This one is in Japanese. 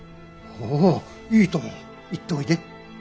おおいいとも行っておいで。